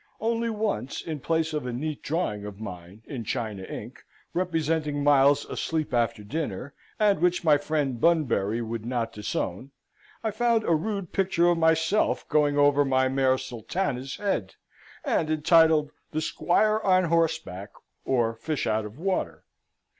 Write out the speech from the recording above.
Only once, in place of a neat drawing of mine, in China ink, representing Miles asleep after dinner, and which my friend Bunbury would not disown, I found a rude picture of myself going over my mare Sultana's head, and entitled "The Squire on Horseback, or Fish out of Water."